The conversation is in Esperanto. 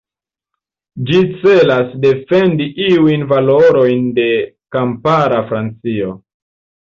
Ĝi celas defendi iujn valorojn de kampara Francio.